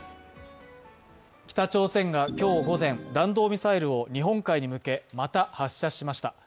北朝鮮が今日午前、弾道ミサイルを日本海に向け、また発射しました。